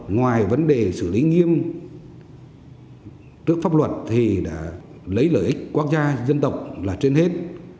ngoài vấn đề xử lý nghiêm trước pháp luật thì đã lấy lợi ích quốc gia dân tộc là trên hết